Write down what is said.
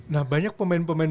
nah banyak pemain pemain